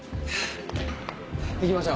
行きましょう。